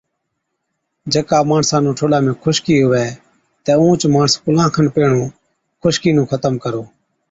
جڪا ماڻسا نُون ٺوڏا ۾ خُشڪِي هُوَي تہ اُونهچ ماڻس ڪُلان کن پيهڻُون خُشڪِي نُون ختم ڪرو۔